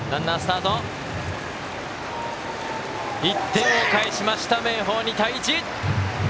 １点を返しました、明豊２対１。